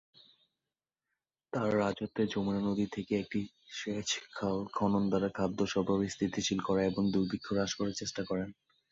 তাঁর রাজত্বে যমুনা নদী থেকে একটি সেচ খাল খনন দ্বারা খাদ্য সরবরাহ স্থিতিশীল করা এবং দুর্ভিক্ষ হ্রাস করার চেষ্টা করেন।